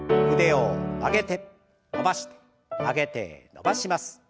腕を曲げて伸ばして曲げて伸ばします。